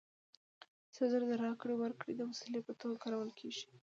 سره زر د راکړې ورکړې د وسیلې په توګه کارول کېږي